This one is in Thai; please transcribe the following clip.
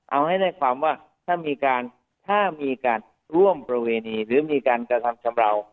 เอาให้ได้ความว่าถ้ามีการถ้ามีการร่วมประเวณีหรือมีการกระทำชำราว